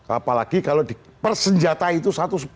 apalagi kalau di persenjata itu satu sepuluh